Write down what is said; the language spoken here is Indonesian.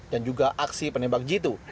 dan juga aksi penembak jitu